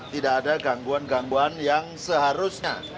tidak ada gangguan gangguan yang seharusnya